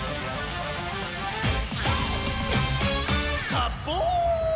「サボーン！」